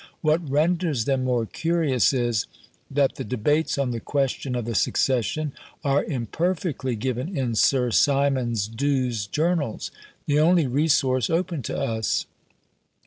What renders them more curious is, that the debates on the question of the succession are imperfectly given in Sir Symonds D'Ewes's journals; the only resource open to us.